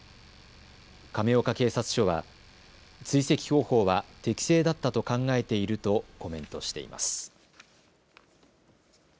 亀岡警察署は追跡方法は適正だったと考えているとコメントしています。